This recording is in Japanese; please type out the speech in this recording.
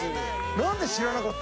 何で知らなかったの？